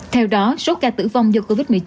theo đó số ca tử vong do covid một mươi chín